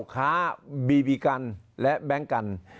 ขาบีบีกันและแบล็งกัน